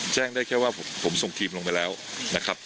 แจ้งได้แค่ว่าผมส่งทีมลงไปแล้วนะครับ